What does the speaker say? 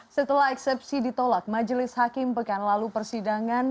setelah eksepsi ditolak majelis hakim pekan lalu persidangan